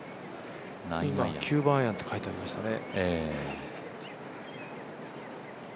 ９番アイアンってかいてありましたね。